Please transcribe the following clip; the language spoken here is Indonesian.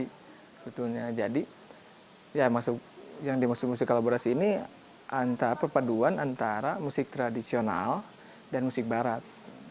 sebetulnya jadi yang dimaksud musik kolaborasi ini antara perpaduan antara musik tradisional dan musik barat